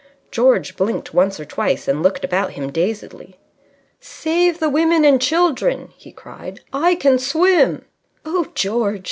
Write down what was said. George blinked once or twice and looked about him dazedly. "Save the women and children!" he cried. "I can swim." "Oh, George!"